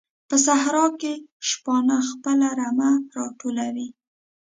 په صحراء کې شپانه خپل رمې راټولوي.